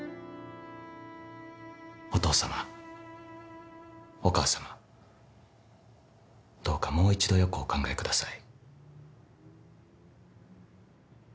お父様お母様どうかもう一度よくお考えください。